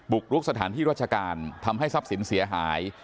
กรุกสถานที่รัชการทำให้ทรัพย์สินเสียหาย